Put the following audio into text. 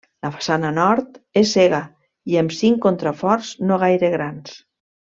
La façana nord és cega i amb cinc contraforts no gaire grans.